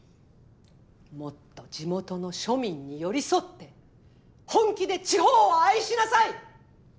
もっと地元の庶民に寄り添って本気で地方を愛しなさい！